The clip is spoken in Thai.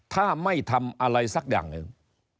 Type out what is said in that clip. ถ้าไม่ทำอะไรสักอย่างหนึ่ง